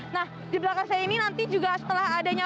nah di belakang saya ini nanti juga setelah adanya